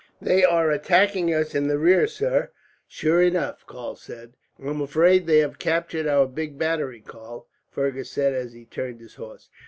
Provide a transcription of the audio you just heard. "They are attacking us in the rear, sir, sure enough," Karl said. "I am afraid they have captured our big battery, Karl," Fergus said, as he turned his horse.